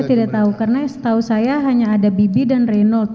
saya tidak tahu karena setahu saya hanya ada bibi dan renold